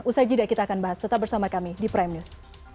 usai jeda kita akan bahas tetap bersama kami di prime news